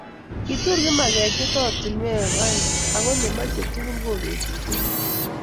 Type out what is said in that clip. Kitur kimaketiet oratinwek oengu ako nemochei tugul kobetyei tugul